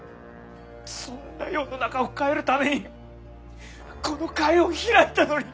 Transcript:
そんな世の中を変えるためにこの会を開いたのに。